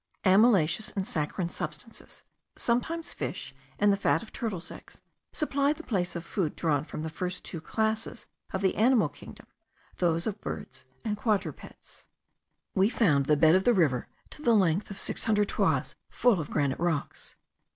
Amylaceous and saccharine substances, sometimes fish and the fat of turtles' eggs, supply the place of food drawn from the first two classes of the animal kingdom, those of quadrupeds and birds. We found the bed of the river, to the length of six hundred toises, full of granite rocks.